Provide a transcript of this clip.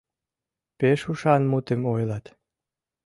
Пеш ушан мутым ойлат.